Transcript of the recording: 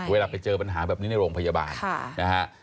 เวลาไปเจอปัญหาแบบนี้ในโรงพยาบาลนะฮะ